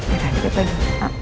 irna kita pergi